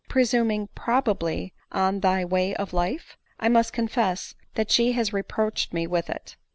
" Presuming probably on thy way of life ?"" I must confess that she has reproached me with it."